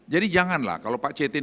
jadi janganlah kalau pak cetin